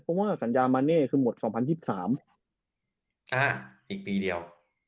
เพราะว่าสัญญามันเน่คือหมดส่องพันพิสสามอ้าอีกปีเดียว